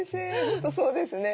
本当そうですね。